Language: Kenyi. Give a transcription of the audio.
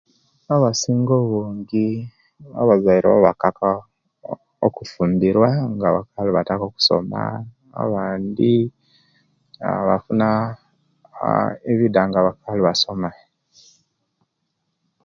Abasinga obungi abazaire babakaka okufumbirwa nga bakali bataka okusoma abandi bafuna aaa ebida nga bakali basoma